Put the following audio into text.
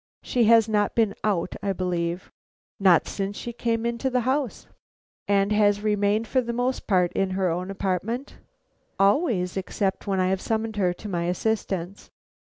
She has not been out, I believe?" "Not since she came into the house." "And has remained for the most part in her own apartment?" "Always, except when I have summoned her to my assistance."